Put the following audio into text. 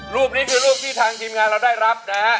รูปนี้คือรูปที่ทางทีมงานเราได้รับนะฮะ